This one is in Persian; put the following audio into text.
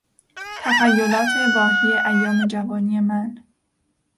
تخیلات واهی ایام جوانی من